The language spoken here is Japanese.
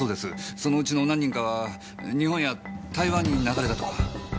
そのうちの何人かは日本や台湾に流れたとか。